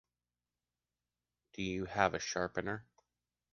Do you have a sharpener?